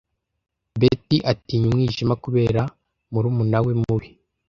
Beth atinya umwijima kubera murumuna we mubi.